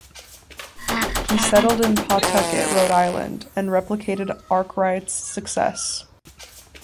He settled in Pawtucket, Rhode Island and replicated Arkwright's success.